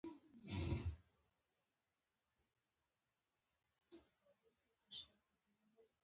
د افغانستان د اقتصادي پرمختګ لپاره پکار ده چې پولي ثبات وي.